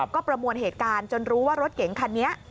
ก็ประมวลเหตุการณ์จนรู้ว่ารถเก๋งคันนี้